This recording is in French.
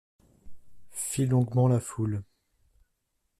Fit longuement la foule.